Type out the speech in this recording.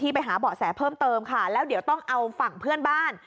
ไปหาเบาะแสเพิ่มเติมค่ะแล้วเดี๋ยวต้องเอาฝั่งเพื่อนบ้าน